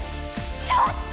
ちょっと！